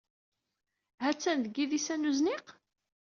Ha-t-an deg yidis-a n uzniq?